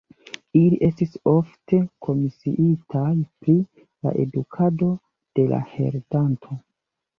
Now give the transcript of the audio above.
Ili estis ofte komisiitaj pri la edukado de la heredanto.